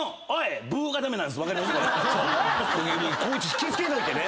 引き付けといてね。